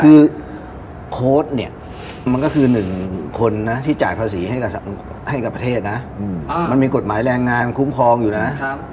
คือโค้ดเนี่ยมันก็คือ๑คนนะที่จ่ายภาษีให้กับประเทศนะมันมีกฎหมายแรงงานคุ้มครองอยู่นะ